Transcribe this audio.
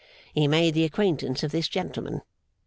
he made the acquaintance of this gentleman.